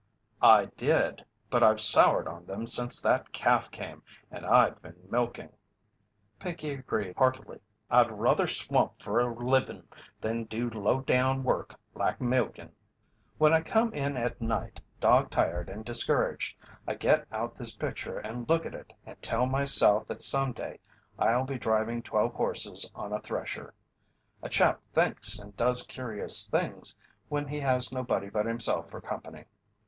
"I did. But I've soured on them since that calf came and I've been milking." Pinkey agreed heartily: "I'd ruther 'swamp' fer a livin' than do low down work like milkin'." "When I come in at night, dog tired and discouraged, I get out this picture and look at it and tell myself that some day I'll be driving twelve horses on a thresher. A chap thinks and does curious things when he has nobody but himself for company."